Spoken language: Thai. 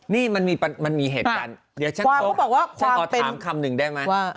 นี่มันมีเหตุการณ์เดี๋ยวฉันขอถามคำหนึ่งได้ไหม